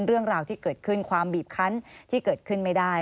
เรื่องราวที่เกิดขึ้นความบีบคันที่เกิดขึ้นไม่ได้